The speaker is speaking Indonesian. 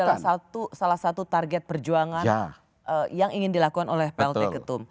ini adalah salah satu target perjuangan yang ingin dilakukan oleh plt ketum